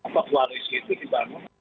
apa koalisi itu dibangun